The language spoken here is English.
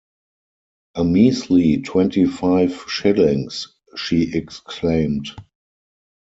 “A measly twenty-five shillings!” she exclaimed.